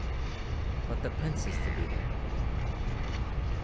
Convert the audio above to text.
"But the Prince is to be there!"